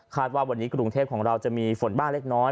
ว่าวันนี้กรุงเทพของเราจะมีฝนบ้างเล็กน้อย